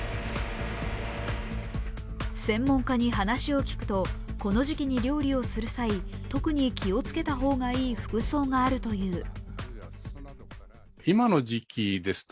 専門家に話を聞くとこの時期に料理をする際特に気をつけた方がいい服装があるという。